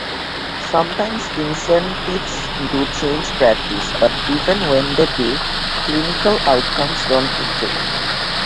Sometimes incentives do change practice, but even when they do, clinical outcomes don't improve.